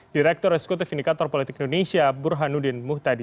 direktur eksekutif indikator politik indonesia burhanuddin muhtadi